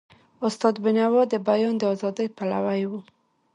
استاد بینوا د بیان د ازادی پلوی و.